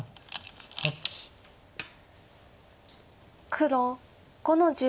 黒５の十。